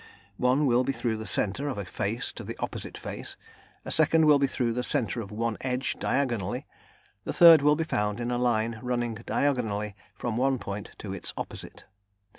One will be through the centre of a face to the opposite face; a second will be through the centre of one edge diagonally; the third will be found in a line running diagonally from one point to its opposite.